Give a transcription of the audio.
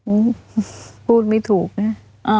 อื้มพูดไม่ถูกแน่